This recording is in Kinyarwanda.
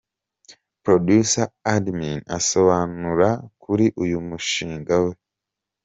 Producer Admin asobanura kuri uyu mushinga we.